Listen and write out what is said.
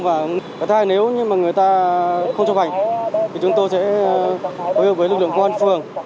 và thay nếu người ta không cho bành thì chúng tôi sẽ hối hợp với lực lượng công an phường